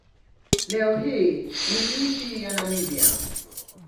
Leo hii ni nchi ya Namibia.